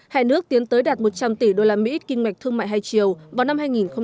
hai nước tiến tới đạt một trăm linh tỷ đô la mỹ kinh mạch thương mại hai triều vào năm hai nghìn hai mươi